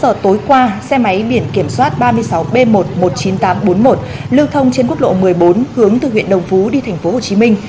sáu giờ tối qua xe máy biển kiểm soát ba mươi sáu b một một mươi chín nghìn tám trăm bốn mươi một lưu thông trên quốc lộ một mươi bốn hướng từ huyện đồng phú đi tp hcm